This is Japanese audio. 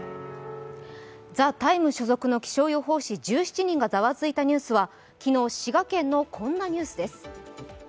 「ＴＨＥＴＩＭＥ，」所属の気象予報士１７人がざわついたニュース「昨日、滋賀県のこんなニュースです